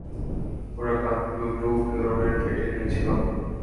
ওর কান দুটোও ফিওরনের কেটে নিয়েছিল।